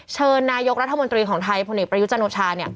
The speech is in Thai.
เชิญนายกรัฐมนตรีของไทยพระเนกประยุจนโชนชาติเนี่ย